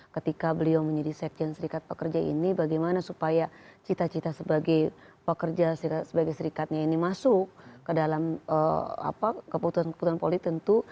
ketika beliau menjadi sekjen serikat pekerja ini bagaimana supaya cita cita sebagai pekerja sebagai serikatnya ini masuk ke dalam keputusan keputusan politik tentu